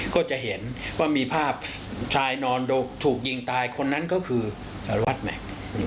ก็จะเห็นว่ามีภาพชายนอนถูกยิงตายคนนั้นก็คือสารวัตรแม็กซ์